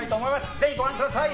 ぜひご覧ください！